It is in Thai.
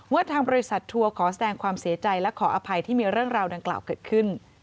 ทางบริษัททัวร์ขอแสดงความเสียใจและขออภัยที่มีเรื่องราวดังกล่าวเกิดขึ้น